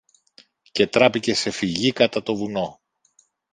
και τράπηκε σε φυγή κατά το βουνό.